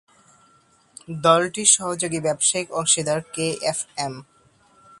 দলটির সহযোগী ব্যবসায়িক অংশীদার কেএফএম।